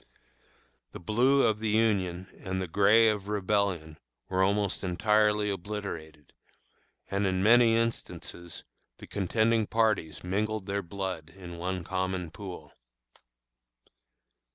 The blue of the Union and the gray of Rebellion were almost entirely obliterated, and, in many instances, the contending parties mingled their blood in one common pool.